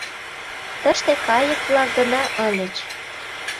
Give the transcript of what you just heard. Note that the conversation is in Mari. Тыште кайык-влак гына ыльыч.